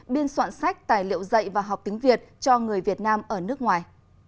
biên soạn sách tài liệu dạy và học tiếng việt cho người việt nam ở nước ngoài